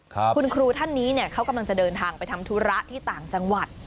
คุณครูท่านนี้เนี่ยเขากำลังจะเดินทางไปทำธุระที่ต่างจังหวัด